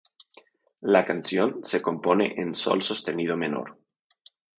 La canción se compone en sol sostenido menor.